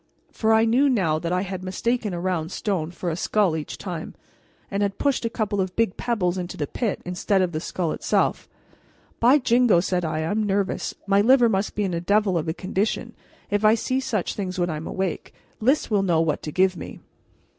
For I knew now that I had mistaken a round stone for a skull each time, and had pushed a couple of big pebbles into the pit instead of the skull itself. "By jingo!" said I, "I'm nervous; my liver must be in a devil of a condition if I see such things when I'm awake! Lys will know what to give me."